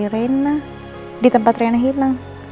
cari renna di tempat renna hilang